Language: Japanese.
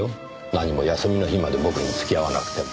何も休みの日まで僕に付き合わなくても。